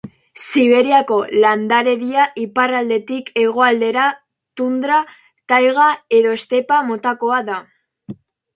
Siberiako landaredia, iparraldetik hegoaldera, tundra, taiga edo estepa motakoa da.